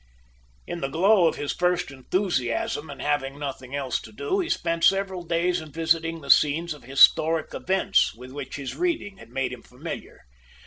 In the glow of his first enthusiasm, and having nothing else to do, he spent several days in visiting the scenes of historic events with which his reading had made him familiar.